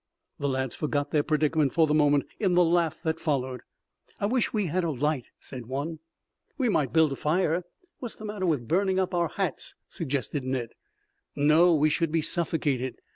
The lads forgot their predicament for the moment in the laugh that followed. "I wish we had a light," said one. "We might build a fire. What's the matter with burning up our hats?" suggested Ned. "No, we should be suffocated.